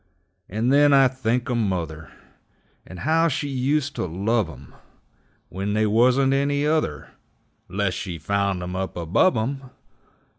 And then I think o' mother, And how she ust to love 'em When they wuzn't any other, 'Less she found 'em up above 'em!